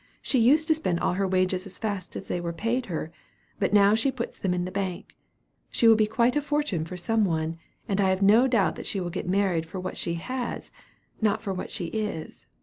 She used to spend all her wages as fast as they were paid her, but now she puts them in the bank. She will be quite a fortune for some one, and I have no doubt she will get married for what she has, if not for what she is.'